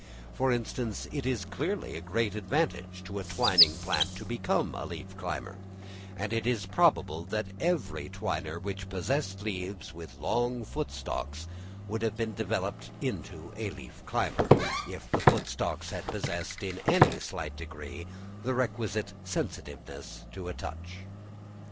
For instance, it is clearly a great advantage to a twining plant to become a leaf climber; and it is probable that every twiner which possessed leaves with long foot stalks would have been developed into a leaf climber, if the foot stalks had possessed in any slight degree the requisite sensitiveness to a touch.